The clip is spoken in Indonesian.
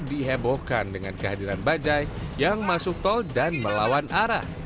dihebohkan dengan kehadiran bajai yang masuk tol dan melawan arah